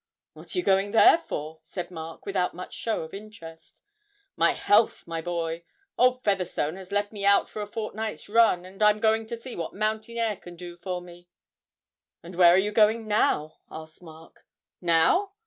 'What are you going there for?' said Mark, without much show of interest. 'My health, my boy; old Featherstone has let me out for a fortnight's run, and I'm going to see what mountain air can do for me.' 'And where are you going now?' asked Mark. 'Now?